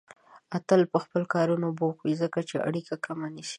اتل به په کارونو کې بوخت وي، ځکه چې اړيکه کمه نيسي.